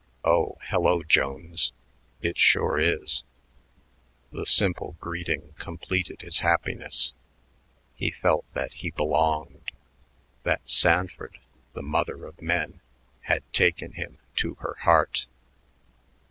"Oh, hello, Jones. It sure is." The simple greeting completed his happiness. He felt that he belonged, that Sanford, the "mother of men," had taken him to her heart.